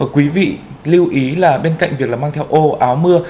quý vị lưu ý là bên cạnh việc là mang theo ô áo mưa